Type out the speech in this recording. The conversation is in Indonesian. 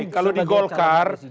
kalau di golkar